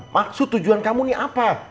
maksud tujuan kamu ini apa